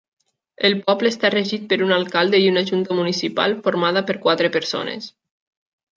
El poble està regit per un alcalde i una junta municipal formada per quatre persones.